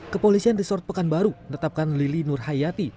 kepolisian resort pekanbaru menetapkan lili nurhayati